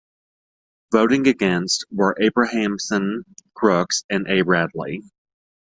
Voting against were Abrahamson, Crooks, and A. Bradley.